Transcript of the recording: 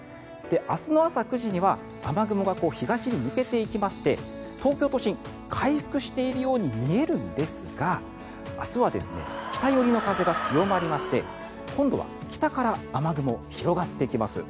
明日の朝９時には雨雲が東に抜けていきまして東京都心、回復しているように見えるんですが明日は北寄りの風が強まりまして今度は北から雨雲、広がってきます。